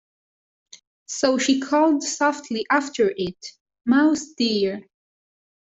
So she called softly after it, ‘Mouse dear!’